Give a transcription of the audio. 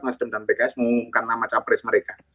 mas dem dan pks mengumumkan nama capres mereka